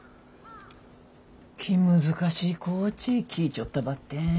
気難しい子っち聞いちょったばってん。